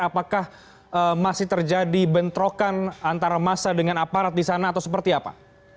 apakah masih terjadi bentrokan antara masa dengan aparat di sana atau seperti apa